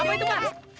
apa itu pak